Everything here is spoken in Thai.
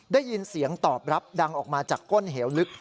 ได้ยินเสียงตอบรับดังออกมาจากก้นเหวลึก